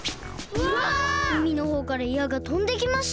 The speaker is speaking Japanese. うみのほうからやがとんできました！